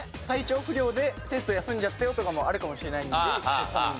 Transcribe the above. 体調不良でテスト休んじゃったよとかもあるかもしれないので。